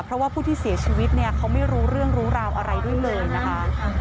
เพราะว่าผู้ที่เสียชีวิตเนี่ยเขาไม่รู้เรื่องรู้ราวอะไรด้วยเลยนะคะ